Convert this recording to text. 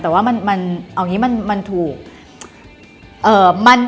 แต่ว่ามัน